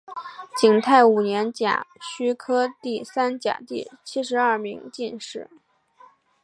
景泰五年甲戌科第三甲第七十二名进士。